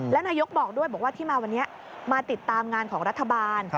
แล้วนายกบอกด้วยบอกว่าที่มาวันนี้มาติดตามงานของรัฐบาล